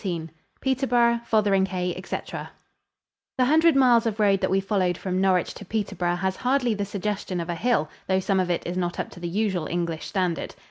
XIV PETERBOROUGH, FOTHERINGHAY, ETC The hundred miles of road that we followed from Norwich to Peterborough has hardly the suggestion of a hill, though some of it is not up to the usual English standard.